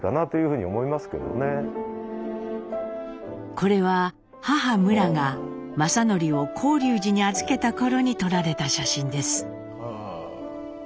これは母むらが正順を興龍寺に預けた頃に撮られた写真です。